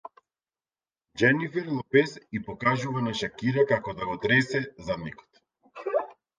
Џенифер Лопез и покажува на Шакира како да го тресе задникот